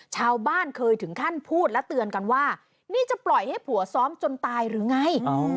ชาวบ้านเคยถึงขั้นพูดและเตือนกันว่านี่จะปล่อยให้ผัวซ้อมจนตายหรือไง